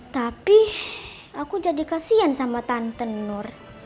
tapi aku jadi kasihan sama tante nia